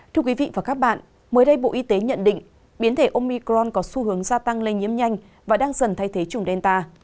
thưa quý vị và các bạn mới đây bộ y tế nhận định biến thể omicron có xu hướng gia tăng lây nhiễm nhanh và đang dần thay thế chủng delta